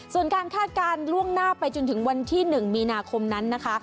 ส่วนการคาดการณ์ล่วงหน้าไปจนถึงวันที่๑มีนาคมนั้นนะคะ